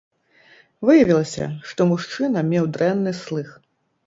Выявілася, што мужчына меў дрэнны слых.